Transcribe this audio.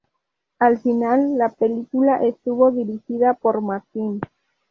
Al final, la película estuvo dirigida por Martin.